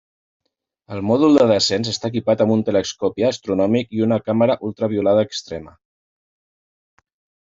El mòdul de descens està equipat amb un telescopi astronòmic i una càmera ultraviolada extrema.